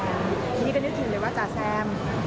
ทีนี้ก็นึกถึงเลยว่าจ๋าแซม